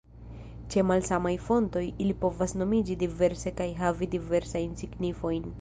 Ĉe malsamaj fontoj ili povas nomiĝi diverse kaj havi diversajn signifojn.